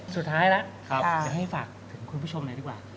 สุดท้ายแล้วเดี๋ยวให้ฝากถึงคุณผู้ชมหน่อยดีกว่า